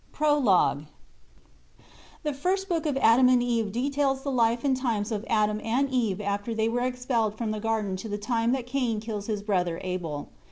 Prologue The First Book of Adam and Eve details the life and times of Adam and Eve after they were expelled from the garden to the time that Cain kills his brother Abel.